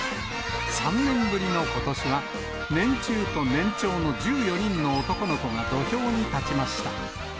３年ぶりのことしは、年中と年長の１４人の男の子が土俵に立ちました。